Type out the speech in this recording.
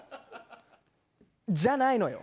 じゃないのよ。